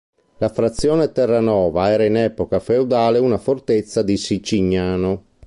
La frazione Terranova era in epoca feudale una fortezza di Sicignano.